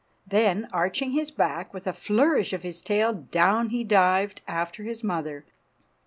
Then arching his back, with a flourish of his tail down he dived after his mother.